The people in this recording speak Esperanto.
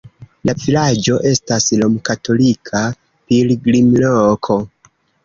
La vilaĝo estas romkatolika pilgrimloko.